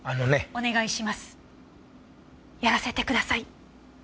やらせてください。